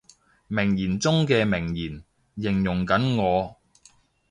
名言中嘅名言，形容緊我